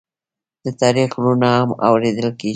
د تاریخ غږونه هم اورېدل کېږي.